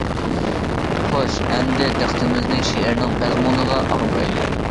خوش، ئەمدى دىققىتىمىزنى شېئىرنىڭ مەزمۇنىغا ئاغدۇرايلى.